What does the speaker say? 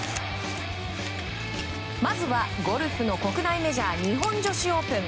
まずはゴルフの国内メジャー日本女子オープン。